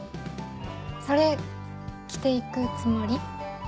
それ着て行くつもり？